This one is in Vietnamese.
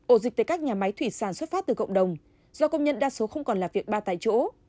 ổ dịch tại các nhà máy thủy sản xuất phát từ cộng đồng do công nhân đa số không còn là việc ba tại chỗ